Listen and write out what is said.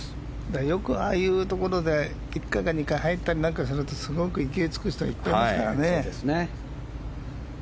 よく、ああいうところで１回か２回は言ったりするとすごく勢いつくと言ってますからね